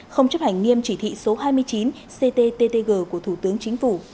không chấp hành nghiêm chỉ thị số hai mươi chín cttg của thủ tướng chính phủ